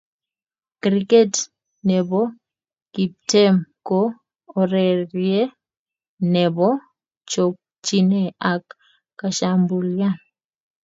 Kriket ne bo tiptem ko urerie ne bo chokchinee ak kashambulian.